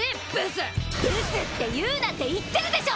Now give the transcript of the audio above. ブスって言うなって言ってるでしょ！